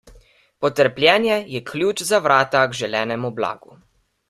Potrpljenje je ključ za vrata k želenemu blagu.